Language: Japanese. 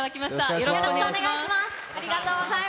よろしくお願いします。